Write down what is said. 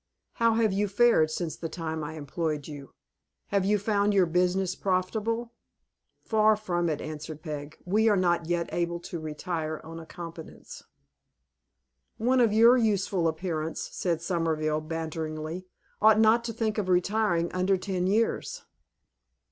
How have you fared since the time I employed you? Have you found your business profitable?" "Far from it," answered Peg. "We are not yet able to retire on a competence." "One of your youthful appearance," said Solmerville, banteringly, "ought not to think of retiring under ten years."